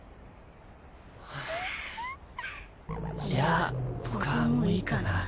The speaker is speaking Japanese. いや僕はもういいかな。